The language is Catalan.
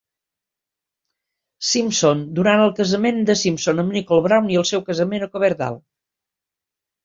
Simpson, durant el casament de Simpson amb Nicole Brown i el seu casament a Coverdale.